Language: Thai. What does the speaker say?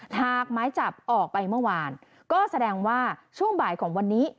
หากหมายจับออกไปเมื่อวานก็แสดงว่าช่วงบ่ายของวันนี้